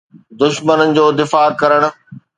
دشمن جو دفاع ڪرڻ.